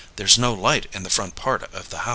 There's no light in the front part of the house."